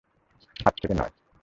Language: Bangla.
হাত থেকে নয়।